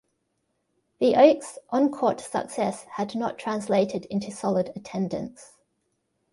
The Oaks' on-court success had not translated into solid attendance.